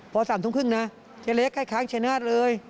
พอ๓ทุ่มครึ่งนะเจ๊เล็กให้ค้างชนะเลย